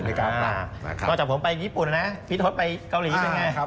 ก่อนจากผมไปญี่ปุ่นนะพี่ทศไปเกาหลีเป็นยังไง